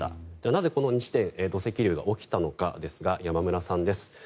なぜ、この２地点で土石流が起きたのかですが山村さんです。